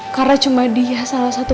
karena cuma dia salah satu